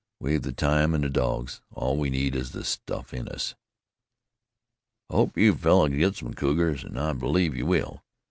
We've the time and the dogs, all we need is the stuff in us." "I hope you fellars git some cougars, an' I believe you will.